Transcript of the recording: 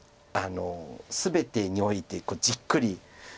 全てにおいてじっくり。